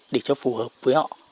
để cho phù hợp với họ